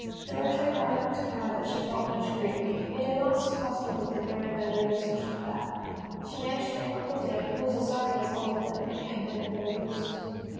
Dora tried hard not to cry but she felt much grieved. It did not seem possible that the bear could evade a search like that. She managed to thank Uncle Dan, who was as sorry as Olive that it had been of no use.